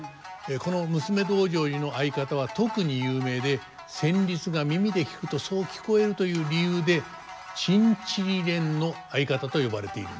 この「娘道成寺」の合方は特に有名で旋律が耳で聴くとそう聞こえるという理由で「チンチリレンの合方」と呼ばれているんです。